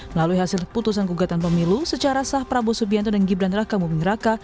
melalui hasil putusan gugatan pemilu secara sah prabowo subianto dan gibran raka buming raka